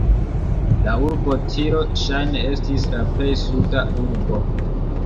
La urbo Tiro ŝajne estis la plej suda urbo.